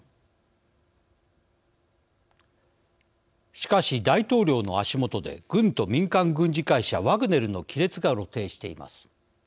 しかし大統領の足元で軍と民間軍事会社ワグネルの亀裂が露呈しています。